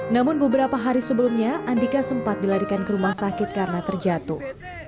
namun beberapa hari sebelumnya andika sempat dilarikan ke rumah sakit karena terjatuh